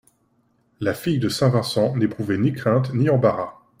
La fille de Saint-Vincent n'éprouvait ni crainte ni embarras.